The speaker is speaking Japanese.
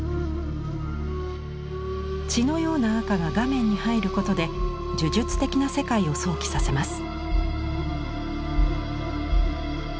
血のような赤が画面に入ることで呪術的な世界を想起させます。